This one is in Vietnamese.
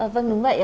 vâng đúng vậy